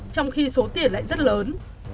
trong khi số tiền lại rất lớn